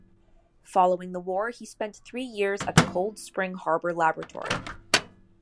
Following the war he spent three years at the Cold Spring Harbor Laboratory.